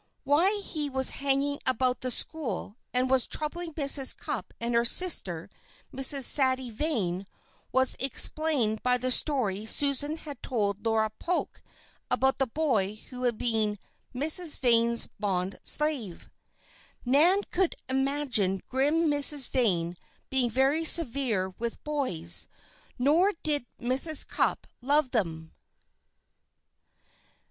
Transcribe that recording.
Why he was hanging about the school, and was troubling Mrs. Cupp and her sister, Miss Sadie Vane, was explained by the story Susan had told Laura Polk about the boy who had been "Miss Vane's bond slave." Nan could imagine grim Miss Vane being very severe with boys; nor did Mrs. Cupp love them.